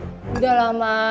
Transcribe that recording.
udah lah ma